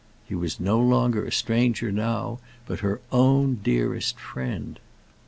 He was no longer a stranger now, but her own dearest friend.